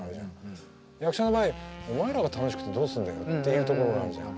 役者の場合お前らが楽しくてどうすんだよっていうところがあるじゃん。